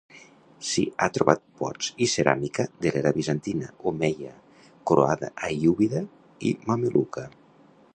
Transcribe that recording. S'hi ha trobat pots i ceràmica de l'era bizantina, omeia, croada-aiúbida i mameluca.